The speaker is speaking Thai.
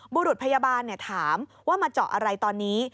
บุรุษพยาบาลถามว่ามาเจาะอะไรตอนนี้